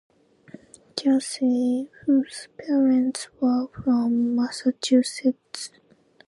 Casey, whose parents were from Massachusetts, moved to Scituate upon his retirement.